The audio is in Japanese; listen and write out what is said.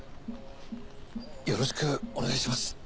よろしくお願いします。